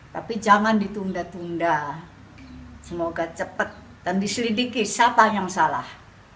tapi jangan ditunda tunda semoga cepat dan diselidiki siapa yang salah